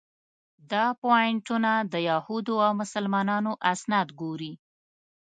دا پواینټونه د یهودو او مسلمانانو اسناد ګوري.